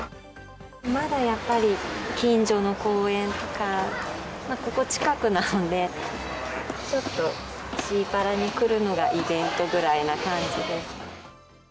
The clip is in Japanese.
まだやっぱり近所の公園とか、ここ近くなんで、ちょっとシーパラに来るのがイベントぐらいな感じです。